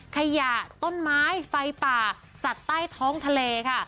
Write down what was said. ขยะต้นไม้ไฟป่าสัตว์ใต้ท้องทะเลค่ะ